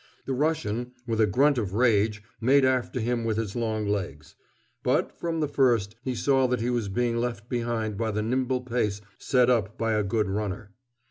The Russian, with a grunt of rage, made after him with his long legs. But, from the first, he saw that he was being left behind by the nimble pace set up by a good runner.